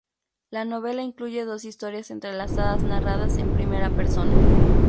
La novela incluye dos historias entrelazadas narradas en primera persona.